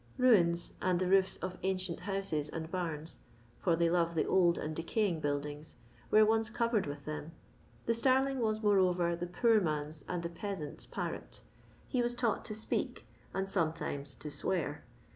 Buins, and the roofo of ancient houses and bams— for they love the old and decaying build ings— were once covered with them. The starling was moreover the poor man's and the peasant's parrot. He was taught to speak, and sometimes to swear.